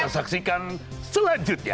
kita saksikan selanjutnya